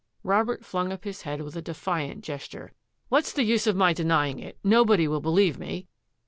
Robert flung up his head with a defiant gesture. " What's the use of my denying it? Nobody will believe me."